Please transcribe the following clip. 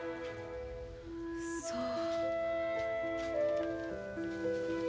そう。